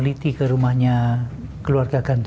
kita itulah yang rendam karakter